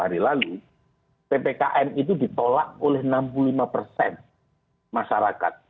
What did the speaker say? hari lalu ppkm itu ditolak oleh enam puluh lima persen masyarakat